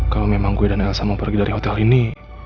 kalau memang gue dan elsa mau pergi dari hotel ini